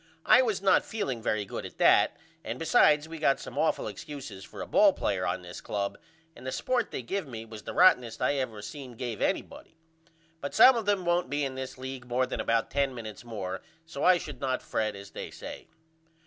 I was not feeling very good at that and besides we got some awful excuses for a ball player on this club and the support they give me was the rottenest I ever seen gave anybody. But some of them won't be in this league more than about 10 minutes more so I should not fret as they say.